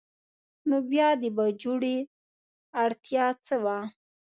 نو بیا د باجوړي اړتیا څه وه؟